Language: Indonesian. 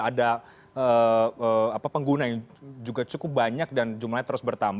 ada pengguna yang juga cukup banyak dan jumlahnya terus bertambah